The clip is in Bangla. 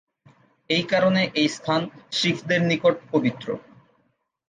এই কারণে এই স্থান শিখদের নিকট পবিত্র।